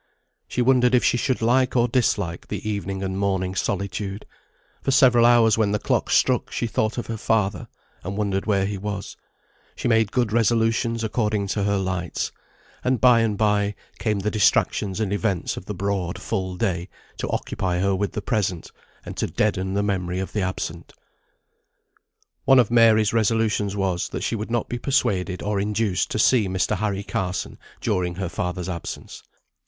She wondered if she should like or dislike the evening and morning solitude; for several hours when the clock struck she thought of her father, and wondered where he was; she made good resolutions according to her lights; and by and bye came the distractions and events of the broad full day to occupy her with the present, and to deaden the memory of the absent. One of Mary's resolutions was, that she would not be persuaded or induced to see Mr. Harry Carson during her father's absence.